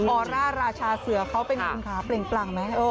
อร่าราชาเสือเขาเป็นคุณคะเปล่งปลังไหม